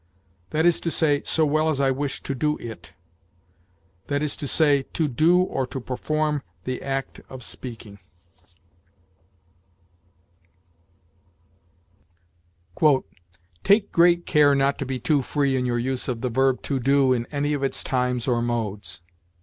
That is to say, 'so well as I wished to do it'; that is to say, to do or to perform the act of speaking. "Take great care not to be too free in your use of the verb to do in any of its times or modes.